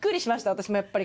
私もやっぱり。